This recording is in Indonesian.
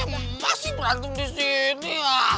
emang masih berantem disini